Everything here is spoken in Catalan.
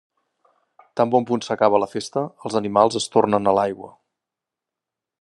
Tan bon punt s'acaba la festa, els animals es tornen a l'aigua.